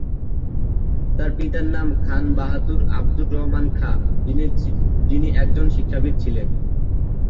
তার পিতার নাম খান বাহাদুর আবদুর রহমান খাঁ, যিনি একজন শিক্ষাবিদ ছিলেন।